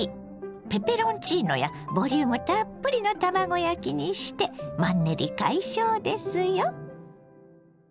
ペペロンチーノやボリュームたっぷりの卵焼きにしてマンネリ解消ですよ。